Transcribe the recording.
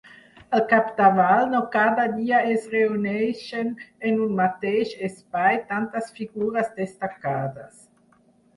Al capdavall, no cada dia es reuneixen en un mateix espai tantes figures destacades.